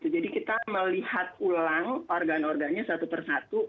jadi kita melihat ulang organ organnya satu persatu